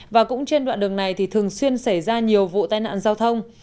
và cũng trên đoạn đường này thì thường xuyên xảy ra nhiều vụ tai nạn giao thông